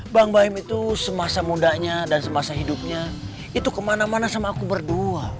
bang baim itu semasa mudanya dan semasa hidupnya itu kemana mana sama aku berdua